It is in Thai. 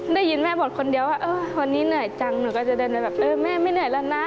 กอดกันอยู่อย่างนั้นจนแม่บอกแม่สู้ได้แล้ว